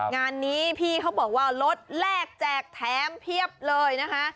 งานนี้พี่เขาบอกว่ารถแลกแจกแถมเพียบเลยนะคะ